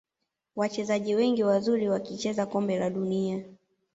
wachezaji wengi wazuri wakicheza kombe la dunia